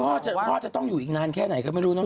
พ่อจะต้องอยู่อีกนานแค่ไหนก็ไม่รู้เนอ